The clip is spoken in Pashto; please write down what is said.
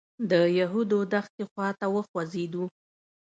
د یهودو دښتې خوا ته وخوځېدو.